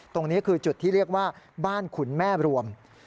ตรงนี้คือจุดที่เรียกว่าบ้านขุนแม่รวม